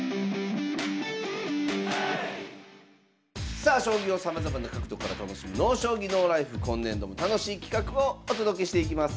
さあ将棋をさまざまな角度から楽しむ「ＮＯ将棋ＮＯＬＩＦＥ」今年度も楽しい企画をお届けしていきます。